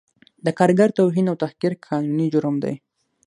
د کارګر توهین او تحقیر قانوني جرم دی